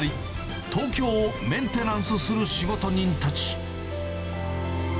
東京をメンテナンスする仕事人たち。